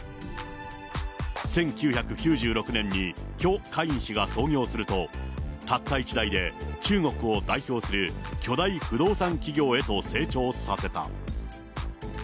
１９９６年に許家印氏が創業すると、たった一代で、中国を代表する巨大不動産企業へと成長させた。